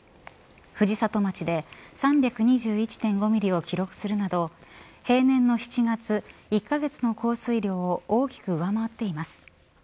藤里町で３２１．５ミリを記録するなど平年の７月１カ月の降水量を大きく上回っています。